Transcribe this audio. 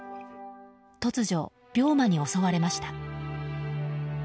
突如、病魔に襲われました。